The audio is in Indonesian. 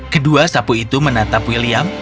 kedua sapu itu menatap william